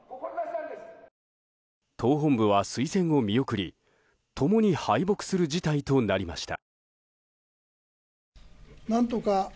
党本部は推薦を見送り共に敗北する事態となりました。